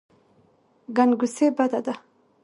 ګنګسي بده ده.